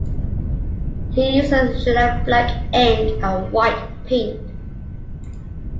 He uses shellac black ink and white paint.